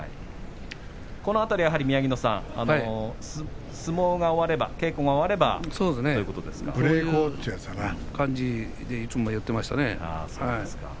この辺りは宮城野さん、相撲が終われば稽古が終わればという感じですよね。